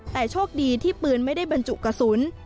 แต่โชคดีที่ปืนไม่ได้บรรจุกระสุน